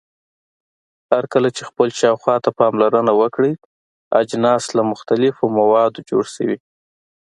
هرکله چې خپل شاوخوا ته پاملرنه وکړئ اجناس له مختلفو موادو جوړ شوي.